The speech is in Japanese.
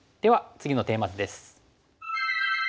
次のテーマ図です。